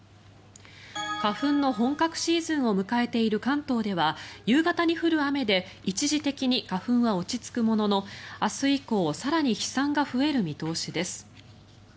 花粉の本格シーズンを迎えている関東では夕方に降る雨で一時的に花粉は落ち着くものの明日以降更に飛散が増える見通しです。